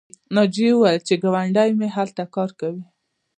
ناجیې وویل چې ګاونډۍ مې هلته کار کوي